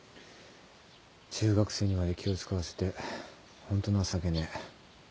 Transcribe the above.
中学生にまで気を使わせてホント情けねえ。